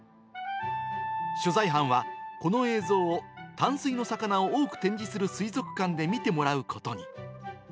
取材班は、この映像を淡水の魚を多く展示する水族館で見てもらうことに。